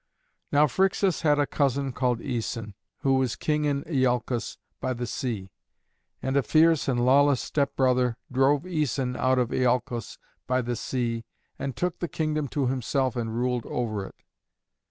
Now Phrixus had a cousin called Æson, who was King in Iolcos by the sea. And a fierce and lawless stepbrother drove Æson out of Iolcos by the sea, and took the kingdom to himself and ruled over it.